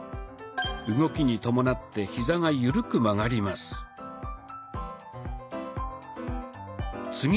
動きに伴ってヒザが緩く曲がります。